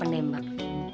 saya mau ke rumah